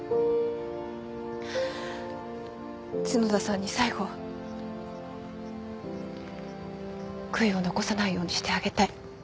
角田さんに最後悔いを残さないようにしてあげたい。